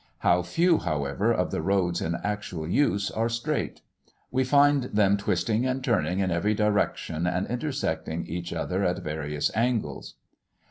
How few, however, of the roads in actual use are straight! We find them twisting and turning in every direction and intersecting each other at various angles.